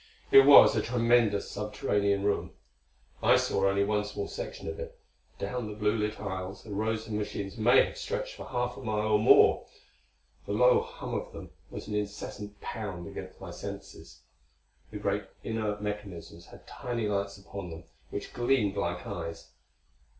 It was a tremendous subterranean room. I saw only one small section of it; down the blue lit aisles the rows of machines may have stretched for half a mile or more. The low hum of them was an incessant pound against my senses. The great inert mechanisms had tiny lights upon them which gleamed like eyes.